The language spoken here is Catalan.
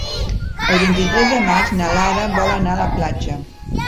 El vint-i-tres de maig na Lara vol anar a la platja.